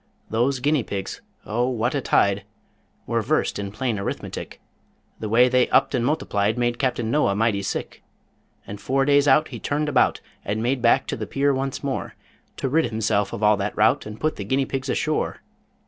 Those guinea pigs O what a tide! Were versed in plain Arithmetic; The way they upped and multiplied Made Captain Noah mighty sick. And four days out he turned about, And made back to the pier once more To rid himself of all that rout, And put the guinea pigs ashore.